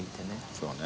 そうね。